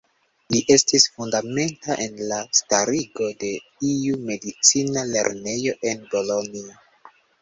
Li estis fundamenta en la starigo de iu medicina lernejo en Bolonjo.